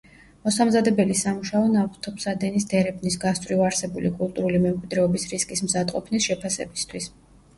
მოსამზადებელი სამუშაო ნავთობსადენის დერეფნის გასწვრივ არსებული კულტურული მემკვიდრეობის რისკის მზადყოფნის შეფასებისთვის.